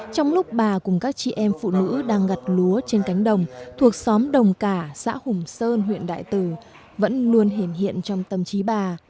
trong lúc bà cùng các chị em phụ nữ đang gặt lúa trên cánh đồng thuộc xóm đồng cả xã hùng sơn huyện đại từ vẫn luôn hiện hiện trong tâm trí bà